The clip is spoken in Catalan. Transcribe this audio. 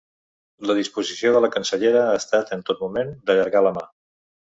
La disposició de la cancellera ha estat en tot moment d’allargar la mà.